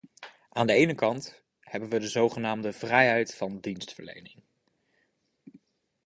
Aan de ene kant hebben we de zogenaamde vrijheid van dienstverlening.